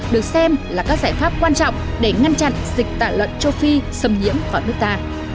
được xem là các giải pháp quan trọng để ngăn chặn dịch tả lợn châu phi xâm nhiễm vào nước ta